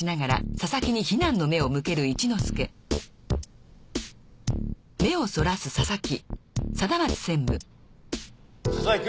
佐々木君。